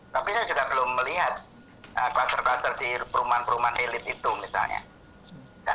tapi saya juga belum melihat kluster kluster di perumahan perumahan elit itu misalnya